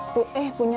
tuh eh punya